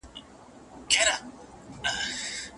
لارښود وویل چي ګډ کار ښې پایلي لري.